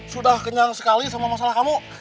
sudah kenyang sekali sama masalah kamu